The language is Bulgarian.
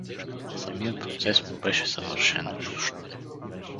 Самият процес му беше съвършено чужд.